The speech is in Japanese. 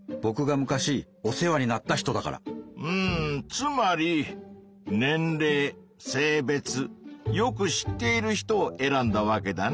つまり年れい性別よく知っている人を選んだわけだね。